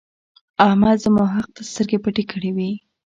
احمد زما حق ته سترګې پټې کړې وې.